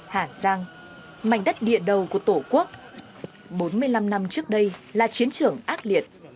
hà giang mảnh đất địa đầu của tổ quốc bốn mươi năm năm trước đây là chiến trường ác liệt